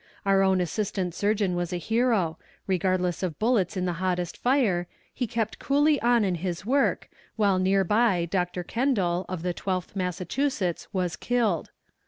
Our own assistant surgeon was a hero; regardless of bullets in the hottest fire, he kept coolly on in his work, while near by Dr. Kendall, of the Twelfth Massachusetts, was killed.